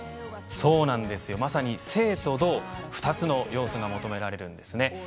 そうなんです、まさに静と動２つの要素が求められています。